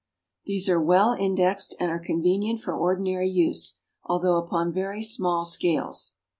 These are well indexed and are convenient for ordinai'y use, although upon very small scales.